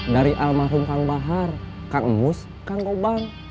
dari almarhum kang bahar kang mus kang gobang